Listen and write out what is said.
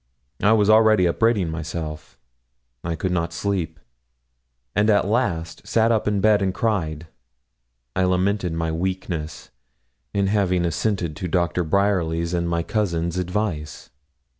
I was already upbraiding myself. I could not sleep, and at last sat up in bed, and cried. I lamented my weakness in having assented to Doctor Bryerly's and my cousin's advice.